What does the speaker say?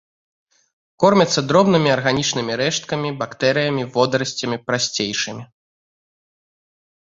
Кормяцца дробнымі арганічнымі рэшткамі, бактэрыямі, водарасцямі, прасцейшымі.